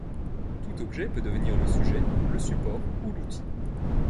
Tout objet peut devenir le sujet, le support ou l'outil.